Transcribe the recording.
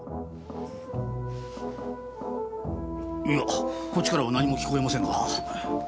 いやこっちからは何も聞こえませんが。